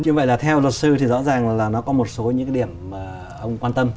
như vậy là theo luật sư thì rõ ràng là nó có một số những cái điểm mà ông quan tâm